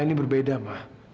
kamila ini berbeda ma